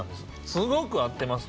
すごく合ってます。